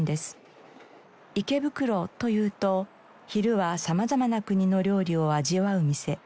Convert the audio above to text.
池袋というと昼は様々な国の料理を味わう店